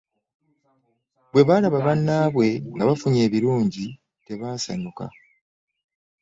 Bwebalaba bannabwe nga bafunye ebirungi tebasanyuka .